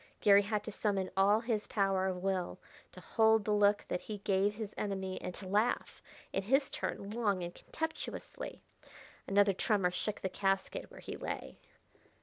Garry had to summon all his power of will to hold the look that he gave his enemy and to laugh, in his turn, long and contemptuously. Another tremor shook the casket where he lay.